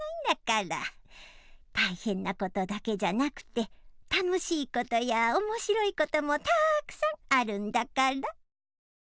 たいへんなことだけじゃなくてたのしいことやおもしろいこともたーくさんあるんだから！